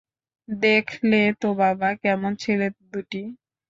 দেখলে তো বাবা, কেমন ছেলে দুটি?